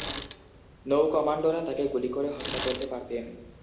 নৌ-কমান্ডোরা তাকে গুলি করে হত্যা করতে পারতেন।